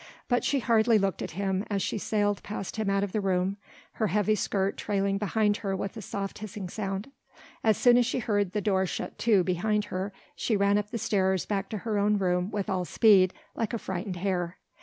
But she hardly looked at him as she sailed past him out of the room, her heavy skirt trailing behind her with a soft hissing sound. As soon as she heard the door shut to behind her, she ran up the stairs back to her own room with all speed, like a frightened hare.